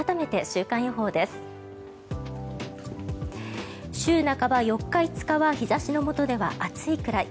週半ば、４日、５日は日差しのもとでは暑いくらい。